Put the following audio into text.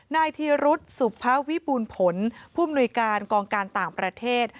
นายธิรุษศุภวิบูลผลผู้อำนวยการกองการต่างประเทศ